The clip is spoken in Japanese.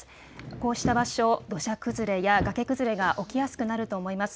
こうした場所、土砂崩れや崖崩れが起きやすくなると思います。